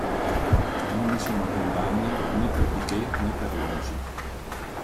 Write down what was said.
Non vi sono condanne né per Piquet né per Alonso.